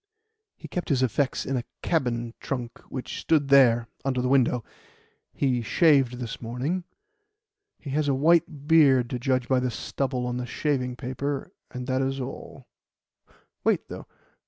He kept his effects in a cabin trunk which stood there under the window. He shaved this morning. He has a white beard, to judge by the stubble on the shaving paper, and that is all. Wait, though.